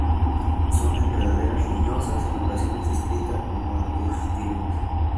Son enredaderas leñosas; en ocasiones descrita como arbustivas.